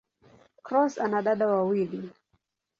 Cross ana dada wawili.